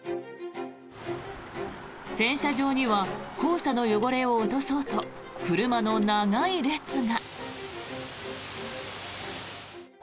洗車場には黄砂の汚れを落とそうと車の長い列が。